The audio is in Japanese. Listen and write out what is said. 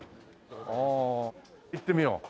ああ行ってみよう。